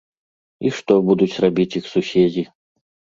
І што будуць рабіць іх суседзі?